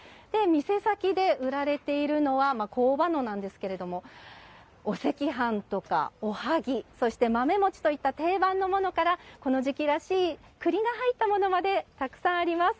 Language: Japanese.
店先で売られているのは工場のなんですけどもお赤飯とか、おはぎそして豆餅といった定番のものから、この時期らしい栗が入ったものまでたくさんあります。